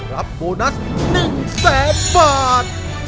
โบนัส๑แสนบาท